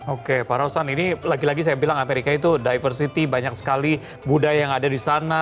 oke pak rosan ini lagi lagi saya bilang amerika itu diversity banyak sekali budaya yang ada di sana